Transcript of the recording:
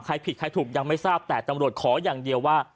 ใครผิดใครถูกยังไม่ทราบแต่ตำรวจขออย่างเดียวว่า